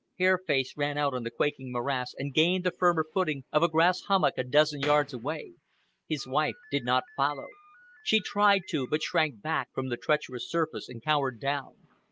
Hair Face ran out on the quaking morass and gained the firmer footing of a grass hummock a dozen yards away. His wife did not follow. She tried to, but shrank back from the treacherous surface and cowered down.